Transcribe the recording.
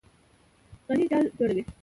غڼې جال جوړوي.